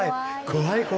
怖い。